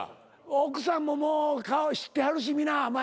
奥さんももう顔知ってはるし皆前の奥さんを。